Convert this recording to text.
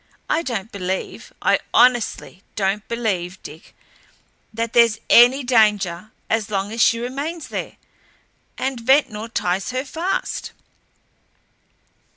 I don't believe, I honestly don't believe, Dick, that there's any danger as long as she remains there. And Ventnor ties her fast."